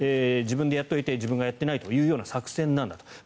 自分でやっておいて自分はやっていないという作戦なんだと。